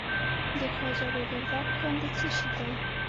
د خواجه ګوګردک کان د څه شي دی؟